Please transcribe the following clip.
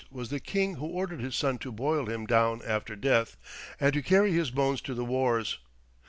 was the king who ordered his son to boil him down after death, and to carry his bones to the wars.